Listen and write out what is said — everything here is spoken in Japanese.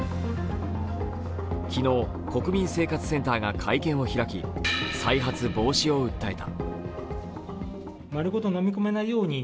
昨日、国民生活センターが会見を開き再発防止を訴えた。